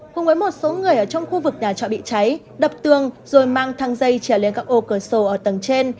cùng với một số người ở trong khu vực nhà trọ bị cháy đập tường rồi mang thang dây trèo lên các ô cửa sổ ở tầng trên